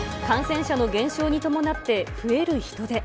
感染者の減少に伴って増える人出。